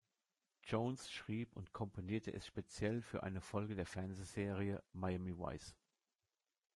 Jones schrieb und komponierte es speziell für eine Folge der Fernsehserie "Miami Vice".